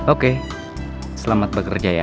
oke selamat bekerja ya